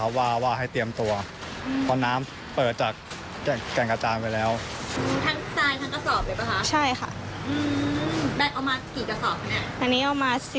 เพราะว่ามีพวกคอมพิวเตอร์สำรองไฟอะไรอย่างนี้